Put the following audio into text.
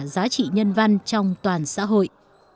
giá trị nhân văn trong toàn xã hội